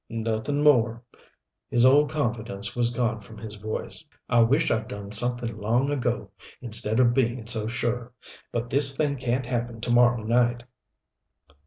"Nothing more." His old confidence was gone from his voice. "I wish I'd done something long ago, instead of being so sure. But this thing can't happen to morrow night."